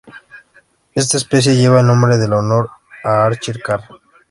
Esta especie lleva el nombre en honor a Archie Carr.